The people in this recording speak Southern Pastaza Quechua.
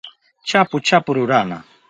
chapu chapu rurana